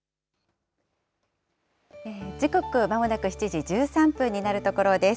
時刻、まもなく７時１３分になるところです。